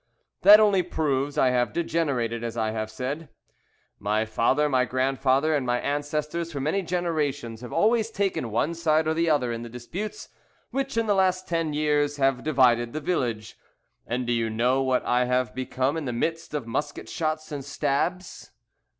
"That only proves I have degenerated, as I have said. My father, my grandfather, and my ancestors for many generations have always taken one side or the other in the disputes which in the last ten years have divided the village. And do you know what I have become in the midst of musket shots and stabs?